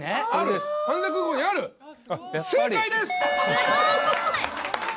すごい！